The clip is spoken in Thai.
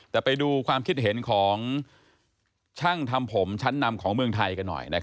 แต่ไปดูความคิดเห็นของช่างทำผมชั้นนำของเมืองไทยกันหน่อย